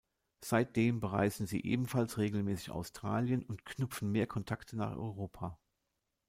Seitdem bereisen sie ebenfalls regelmäßig Australien und knüpfen mehr Kontakte nach Europa.